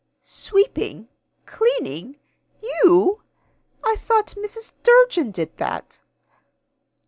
"Sweeping! Cleaning! You! I thought Mrs. Durgin did that."